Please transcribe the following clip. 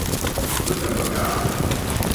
เมื่อกรรมการ